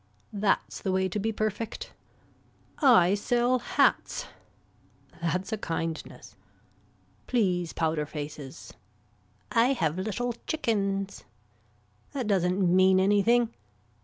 That's the way to be perfect. I sell hats. That's a kindness. Please powder faces. I have little chickens. That doesn't mean anything.